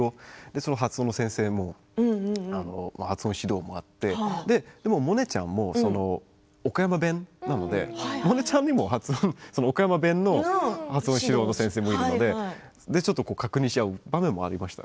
その発音の先生の発音指導もあってでも萌音ちゃんも岡山弁なので萌音ちゃんにも岡山弁の発音指導の先生もいるので確認し合う場面もありました。